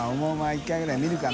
１回ぐらい見るかな？